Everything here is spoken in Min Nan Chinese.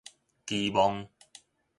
期望